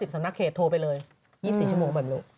สำนักเขตโทรไปเลย๒๔ชั่วโมงแบบนี้